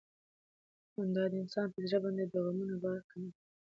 خندا د انسان پر زړه باندې د غمونو بار کموي.